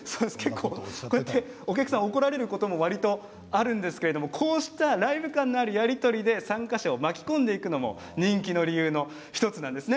お客さんが怒られることもあるんですけれどもこうしたライブ感のあるやり取りで参加者を巻き込んでいくのも人気の理由の１つでもあるんです。